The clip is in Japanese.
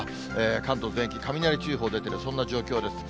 関東全域、雷注意報出てる、そんな状況です。